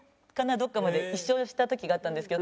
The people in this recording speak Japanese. どこかまで一緒した時があったんですけど。